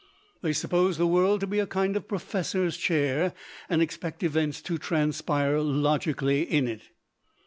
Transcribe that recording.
They suppose the world to be a kind of professor's chair, and expect events to transpire logically in it.